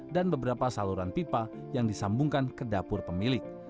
dan beberapa saluran pipa yang disambungkan ke dapur pemilik